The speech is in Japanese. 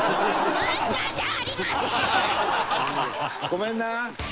ごめんな！